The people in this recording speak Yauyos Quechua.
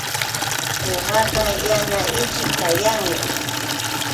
Ñuqapa yana ichii kayanmi